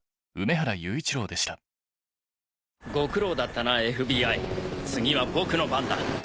ご苦労だったなＦＢＩ次は僕の番だ。